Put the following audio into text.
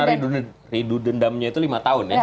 karena rindu dendamnya itu lima tahun ya